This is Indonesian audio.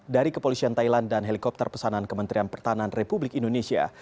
dari kepolisian thailand dan helikopter pesanan kementerian pertahanan republik indonesia